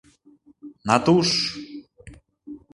— Натуш!..